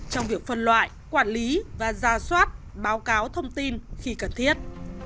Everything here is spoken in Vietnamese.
trong việc phân loại quản lý và ra soát báo cáo thông tin khi cần thiết